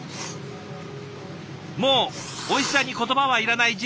もうおいしさに言葉はいらない自慢！